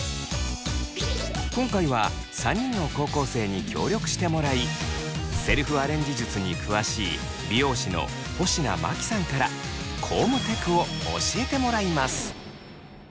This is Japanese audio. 今回は３人の高校生に協力してもらいセルフアレンジ術に詳しい美容師の保科真紀さんからコームテクを教えてもらいます。